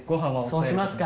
そうしますか。